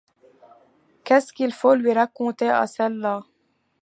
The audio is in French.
Qu'est-ce qu'il faut lui raconter, à celle-là ?